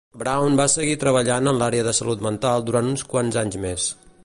Brown va seguir treballant en l'àrea de salut mental durant uns quants anys més.